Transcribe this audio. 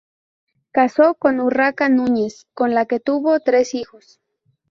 Casó con Urraca Núñez con la que tuvo tres hijos.